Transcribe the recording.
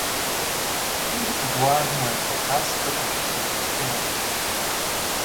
Влажно е, пък аз като че съм настинала.